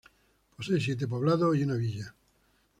Posee siete poblados y una villa.